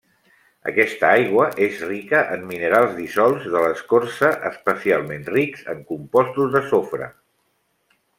Aquesta aigua és rica en minerals dissolts de l'escorça especialment rics en compostos de sofre.